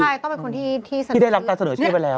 ใช่ต้องเป็นคนที่ได้รับการเสนอชื่อไปแล้ว